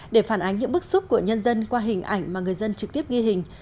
để phản ánh những bức xúc của nhân dân qua hình ảnh mà người dân trực tiếp ghi hình